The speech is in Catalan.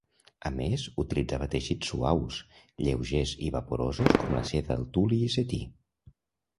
A més, utilitzava teixits suaus, lleugers i vaporosos com la seda, el tul i setí.